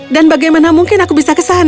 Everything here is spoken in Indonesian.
dan bagaimana mungkin aku bisa ke sana